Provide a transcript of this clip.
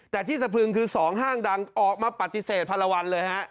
แต่ที่สะพึงคือ๒ห้างดังออกมาปฏิเสธพันละวันเลยฮะ